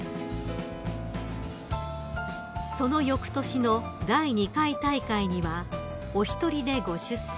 ［そのよくとしの第２回大会にはお一人でご出席］